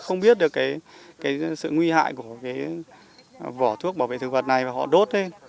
họ không biết được cái sự nguy hại của cái vỏ thuốc bảo vệ thực vật này và họ đốt thế